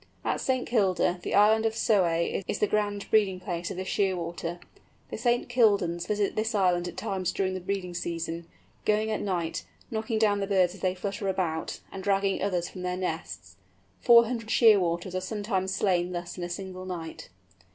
At St. Kilda the island of Soay is the grand breeding place of this Shearwater. The St. Kildans visit this island at times during the breeding season, going at night, knocking down the birds as they flutter about, and dragging others from their nests. Four hundred Shearwaters are sometimes slain thus in a single night.